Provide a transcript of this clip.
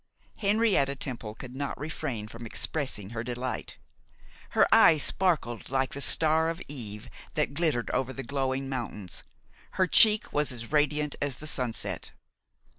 Henrietta Temple could not refrain from expressing her delight. Her eye sparkled like the star of eve that glittered over the glowing mountains; her cheek was as radiant as the sunset.